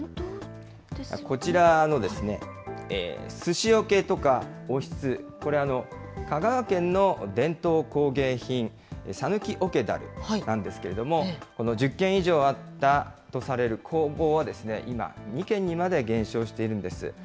こちらのすしおけとかおひつ、これ、香川県の伝統工芸品、讃岐桶樽なんですけれども、この１０軒以上あったとされる工房は、今、２軒にまで減少しているんです。